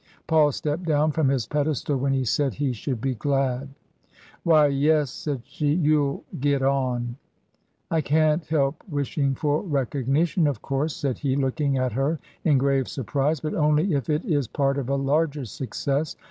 Paul stepped down from his pedestal when he said he should be glad. " Why, yes," said she ;" you'll — get on, " I can't help wishing for. recognition, of course," said he, looking at her in grave surprise, " but only if it is part of a larger success.